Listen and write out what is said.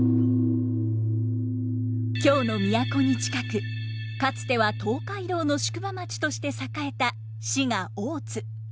京の都に近くかつては東海道の宿場町として栄えた滋賀・大津。